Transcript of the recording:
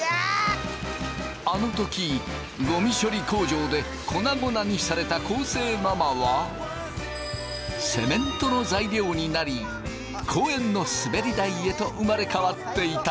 あの時ゴミ処理工場で粉々にされた昴生ママはセメントの材料になり公園のすべり台へと生まれ変わっていた。